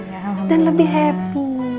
ya dan lebih happy